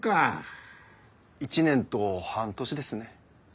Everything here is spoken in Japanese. １年と半年ですね。